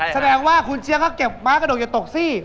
แสดงว่าคุณเชียร์เขาเก็บม้ากระดกอย่าตกสิ